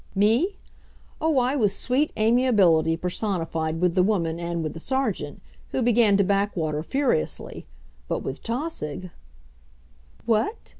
Me? Oh, I was sweet amiability personified with the woman and with the Sergeant, who began to back water furiously. But with Tausig What?